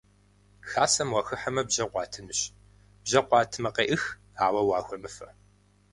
Хасэм уахыхьэмэ, бжьэ къуатынущ; бжьэ къуатмэ, къеӏых, ауэ уахуемыфэ.